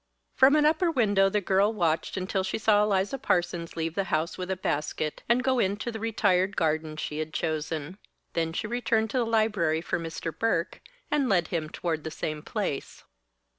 From an upper window the girl watched until she saw Eliza Parsons leave the house with a basket and go into the retired garden she had chosen. Then she returned to the library for Mr. Burke and led him toward the same place.